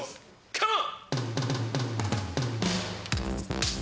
カモン！